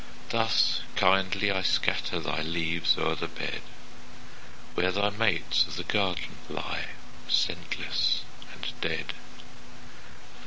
Thus kindly I scatter Thy leaves o'er the bed Where thy mates of the garden Lie scentless and dead.